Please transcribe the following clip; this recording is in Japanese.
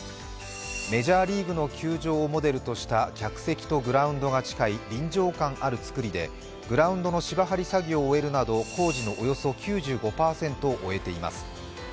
メジャーリーグの球場をモデルとした客席とグラウンドが近い臨場感ある造りでグラウンドの芝張作業を終えるなど工事のおよそ９５％を終えています。